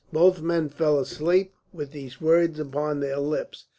Both men fell asleep with these words upon their lips.